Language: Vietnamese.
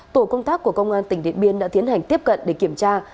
tổ công tác của công an tỉnh điện biên đã tiến hành tiếp cận để kiểm tra